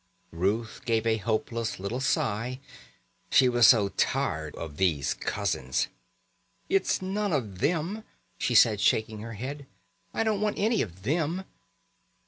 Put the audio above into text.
Ruth gave a hopeless little sigh. She was so tired of these cousins. "It's none of them," she said shaking her head. "I don't want any of them."